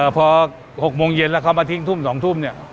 พอ๖โมงเย็นแล้วเขามาทิ้งทุ่ม๒ทุ่มเนี่ย